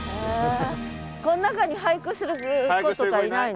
この中に俳句する子とかいないの？